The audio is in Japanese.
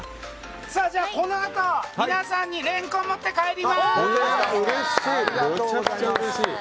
このあと皆さんにレンコンを持って帰ります。